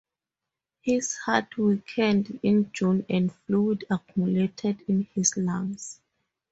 His heart weakened in June, and fluid accumulated in his lungs.